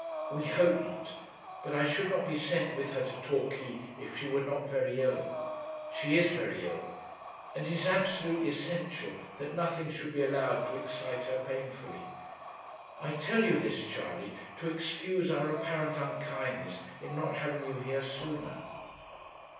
'We hope not. But I should not be sent with her to Torquay if she were not very ill. She is very ill, and it is absolutely essential that nothing should be allowed to excite her painfully. I tell you this, Charley, to excuse our apparent unkindness in not having you here sooner.'